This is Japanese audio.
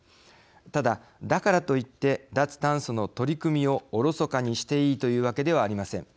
ただ、だからといって脱炭素の取り組みをおろそかにしていいというわけではありません。